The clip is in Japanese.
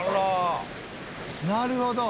「なるほど」